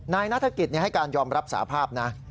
นายนัฐกิจให้การยอมรับสาภาพนะ